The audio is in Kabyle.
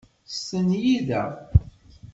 Stenyi da.